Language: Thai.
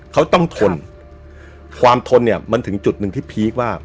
เขาต้องทนความทนเนี่ยมันถึงจุดหนึ่งที่พีคว่า